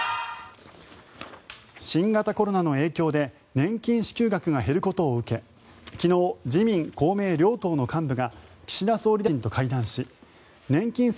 新型コロナの影響で年金支給額が減ることを受け昨日、自民・公明両党の幹部が岸田総理大臣と会談し年金